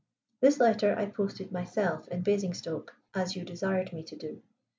This letter I posted myself in Basingstoke, as you desired me to do.